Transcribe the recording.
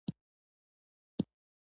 ګیلاس د صبر له زغم نه راوتی دی.